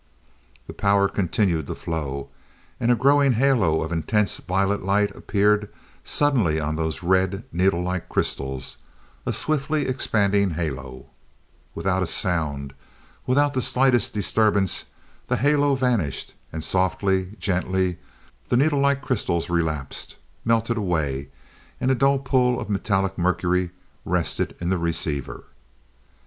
The power continued to flow, and a growing halo of intense violet light appeared suddenly on those red, needle like crystals, a swiftly expanding halo Without a sound, without the slightest disturbance, the halo vanished, and softly, gently, the needle like crystals relapsed, melted away, and a dull pool of metallic mercury rested in the receiver.